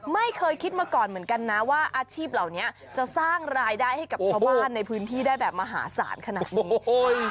ไม่เคยคิดมาก่อนเหมือนกันนะว่าอาชีพเหล่านี้จะสร้างรายได้ให้กับชาวบ้านในพื้นที่ได้แบบมหาศาลขนาดนี้